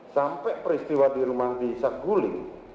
sampai peristiwa di rumah di saguling